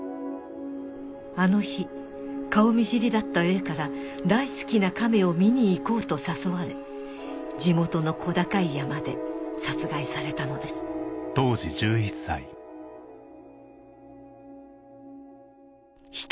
あの日顔見知りだったＡから大好きなカメを見に行こうと誘われ地元の小高い山で殺害されたのです人